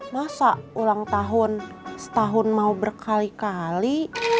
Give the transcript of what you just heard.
masa ulang tahun setahun mau berkali kali